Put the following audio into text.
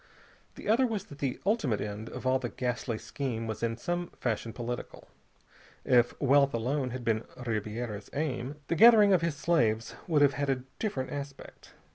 The other was that the ultimate end of all the ghastly scheme was in some fashion political. If wealth alone had been Ribiera's aim, the gathering of his slaves would have had a different aspect.